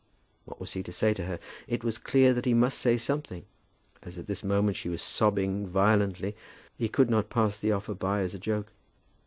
What was he to say to her? It was clear that he must say something. As at this moment she was sobbing violently, he could not pass the offer by as a joke.